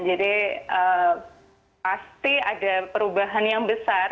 jadi pasti ada perubahan yang besar